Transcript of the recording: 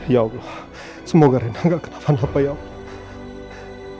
ya allah semoga rena gak kenapa kenapa ya allah